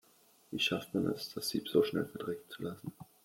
Wie schafft man es, das Sieb so schnell verdrecken zu lassen?